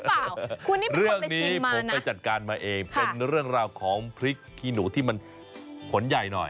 คุณนี่เป็นคนไปชิมมานะเรื่องนี้ผมไปจัดการมาเองเป็นเรื่องราวของพริกขี้หนูที่มันผลใหญ่หน่อย